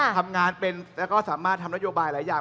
ทำงานเป็นแล้วก็สามารถทำนโยบายหลายอย่าง